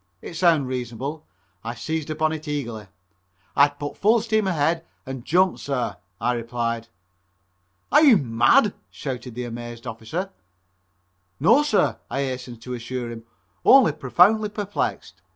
It sounded reasonable. I seized upon it eagerly. "I'd put full steam ahead and jump, sir," I replied. "Are you mad?" shouted the amazed officer. "No, sir," I hastened to assure him, "only profoundly perplexed.